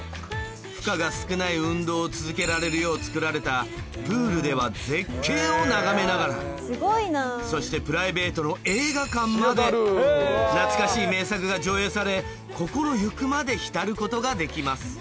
負荷が少ない運動を続けられるよう造られたプールでは絶景を眺めながらそしてプライベートの映画館まで懐かしい名作が上映され心行くまで浸ることができます